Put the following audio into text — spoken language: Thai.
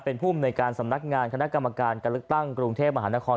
เป็นภูมิในการสำนักงานคณะกรรมการการเลือกตั้งกรุงเทพมหานคร